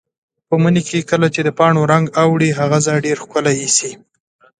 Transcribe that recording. په مني کې چې کله د پاڼو رنګ اوړي، هغه ځای ډېر ښکلی ایسي.